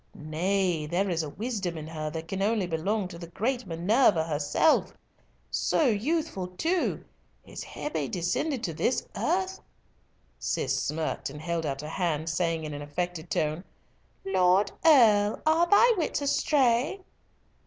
Nay, there is a wisdom in her that can only belong to the great Minerva herself! So youthful too. Is it Hebe descended to this earth?" Cis smirked, and held out a hand, saying in an affected tone, "Lord Earl, are thy wits astray?"